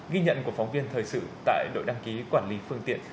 ghi nhận của phóng viên thời sự tại đội đăng ký quản lý phương tiện